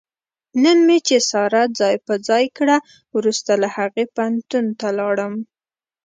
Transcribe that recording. نن مې چې ساره ځای په ځای کړه، ورسته له هغې پوهنتون ته ولاړم.